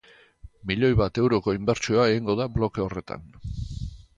Milioi bat euroko inbertsioa egingo da bloke horretan.